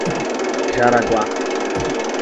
Jaraguá